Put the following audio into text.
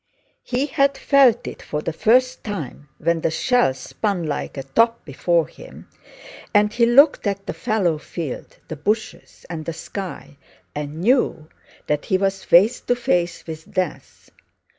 He had felt it for the first time when the shell spun like a top before him, and he looked at the fallow field, the bushes, and the sky, and knew that he was face to face with death.